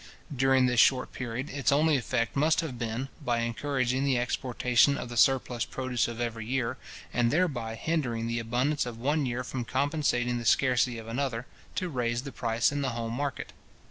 During this short period, its only effect must have been, by encouraging the exportation of the surplus produce of every year, and thereby hindering the abundance of one year from compensating the scarcity of another, to raise the price in the home market.